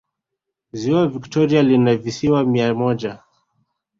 ziwa victoria lina visiwa mia moja